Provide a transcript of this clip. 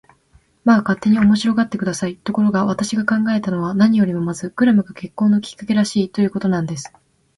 まあ、勝手に面白がって下さい。ところが、私が考えたのは、何よりもまずクラムが結婚のきっかけらしい、ということなんです。